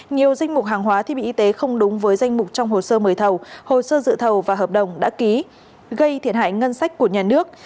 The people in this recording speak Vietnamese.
nhiều danh mục hàng hóa thiết bị y tế không đúng với danh mục trong hồ sơ mời thầu hồ sơ dự thầu và hợp đồng đã ký gây thiệt hại ngân sách của nhà nước